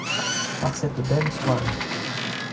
par cette belle soirée.